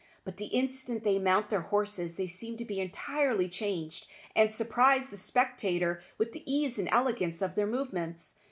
But the instant they mount their horses they seem to be entirely changed, and surprise the spectator with the ease and elegance of their movements.